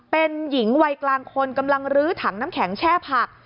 เป็นหญิงวัยกลางคนกำลังลื้อถังน้ำแข็งแช่ผัก